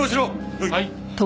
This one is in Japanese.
はい。